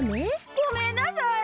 ごめんなさい！